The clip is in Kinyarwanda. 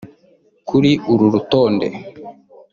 Kuri uru rutonde